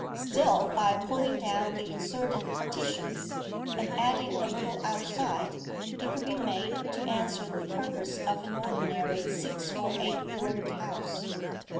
'Still by pulling down the inserted partitions, and adding a little outside, it could be made to answer the purpose of an ordinary six or eight roomed house?